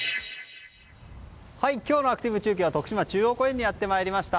今日のアクティブ中継は徳島中央公園にやってまいりました。